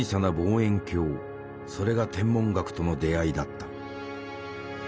それが天文学との出会いだった。